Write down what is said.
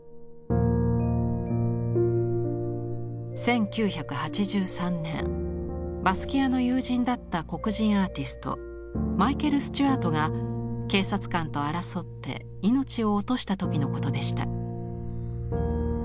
１９８３年バスキアの友人だった黒人アーティストマイケル・スチュワートが警察官と争って命を落とした時のことでした。